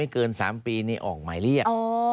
เกิน๓ปีนี่ออกหมายเรียก